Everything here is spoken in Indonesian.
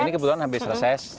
ini kebetulan habis reses